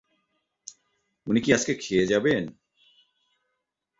উনি কি আজকে খেয়ে যাবেন?